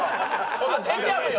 本当出ちゃうよ